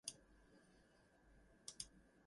Often they serve as cautionary tales.